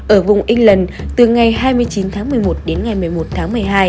ở vùng england từ ngày hai mươi chín tháng một mươi một đến ngày một mươi một tháng một mươi hai